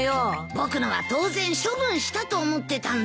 僕のは当然処分したと思ってたんだよ。